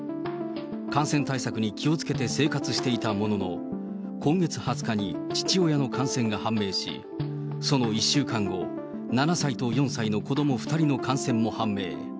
感染対策に気をつけて生活していたものの、今月２０日に父親の感染が判明し、その１週間後、７歳と４歳の子ども２人の感染も判明。